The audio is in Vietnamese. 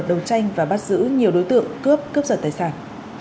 đấu tranh và bắt giữ nhiều đối tượng cướp cướp giật tài sản